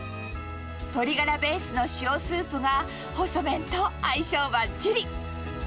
鶏ガラベースの塩スープが細麺と相性ばっちり。